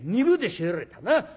２分で仕入れたな。